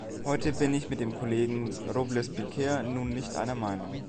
Heute bin ich mit dem Kollegen Robles Piquer nun nicht einer Meinung.